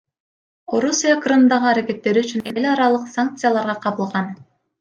Орусия Крымдагы аракеттери үчүн эл аралык санкцияларга кабылган.